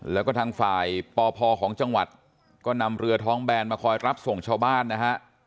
แล้วก็ทางฝ่ายปพของจังหวัดก็นำเรือท้องแบนมาคอยรับส่งชาวบ้านนะฮะ